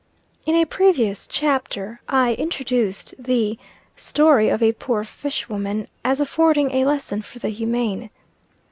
In a previous chapter, I introduced the story of a poor fish woman, as affording a lesson for the humane.